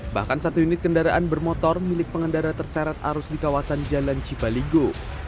bahkan satu unit kendaraan bermotor milik pengendara terseret arus di kawasan jalan cipaligo